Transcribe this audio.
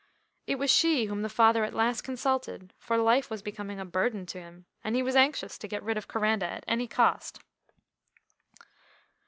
It was she whom the father at last consulted, for life was becoming a burden to him, and he was anxious to get rid of Coranda at any cost.